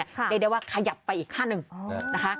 เรียกได้ว่าขยับไปอีกขั้นหนึ่งนะคะ